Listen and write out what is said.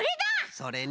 それね。